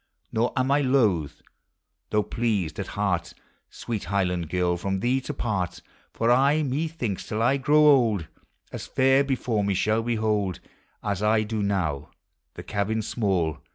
Nor am I loath, though pleased at heart, Sweet Highland Girl! from thee to part; For I, incthinks. till I grow old As fair before me shall behold As I do now, the cabin small.